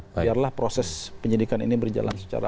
biarlah proses penyelidikan ini berjalan secara terbaik